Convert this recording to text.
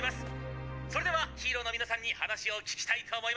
それではヒーローの皆さんに話を聞きたいと思います。